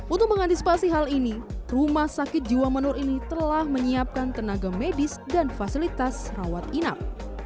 untuk mengantisipasi hal ini rumah sakit jiwa menur ini telah menyiapkan tenaga medis dan fasilitas rawat inap